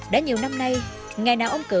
đã nhiều năm nay ngày nào ông cử